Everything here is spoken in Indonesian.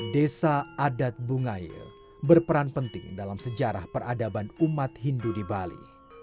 desa adat bungaya berperan penting dalam sejarah peradaban umat hindu di bali